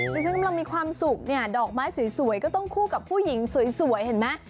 ดิฉันกำลังมีความสุขเนี่ยดอกไม้สวยก็ต้องคู่กับผู้หญิงสวยเห็นไหม